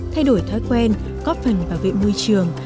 thay đổi thói quen góp phần bảo vệ môi trường